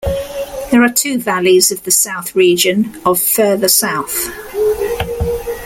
There are two valleys of the south region of further south.